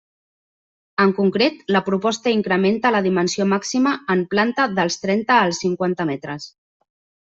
En concret, la proposta incrementa la dimensió màxima en planta dels trenta als cinquanta metres.